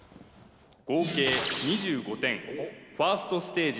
合計２５点ファーストステージ